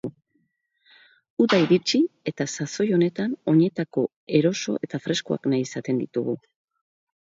Uda iritsi eta sasoi honetan oinetako eroso eta freskoak nahi izaten ditugu.